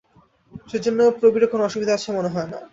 সেজন্য প্রবীরের কোনো অসুবিধা আছে মনে হয় না।